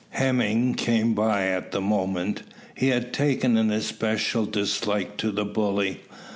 Hemming came by at the moment. He had taken an especial dislike to the bully.